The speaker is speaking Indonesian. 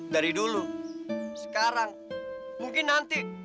dari dulu sekarang mungkin nanti